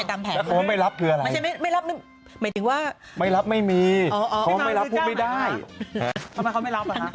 ทำไมเขาไม่รับอ่ะคะ